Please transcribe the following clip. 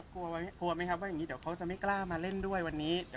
กลัวไหมครับว่าอย่างนี้เดี๋ยวเขาจะไม่กล้ามาเล่นด้วยวันนี้